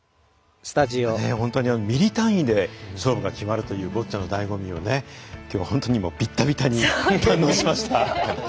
本当にミリ単位で決まる勝負が決まるというボッチャのだいご味をきょうは本当にビッタビタに堪能しました。